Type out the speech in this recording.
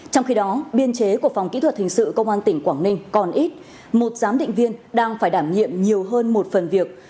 trong khi đó biên chế của phòng kỹ thuật hình sự công an tỉnh quảng ninh còn ít một giám định viên đang phải đảm nhiệm nhiều hơn một phần việc